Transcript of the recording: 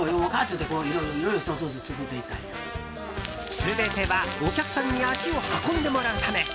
全てはお客さんに足を運んでもらうため。